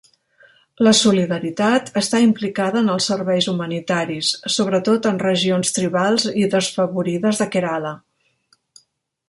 La solidaritat està implicada en els serveis humanitaris, sobretot en regions tribals i desfavorides de Kerala.